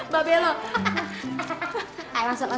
jalan jalan jalan